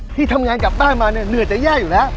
พี่ทำงานกลับบ้านมาเนือะจะแย่อยู่แล้ว